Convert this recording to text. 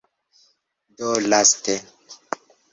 Do laste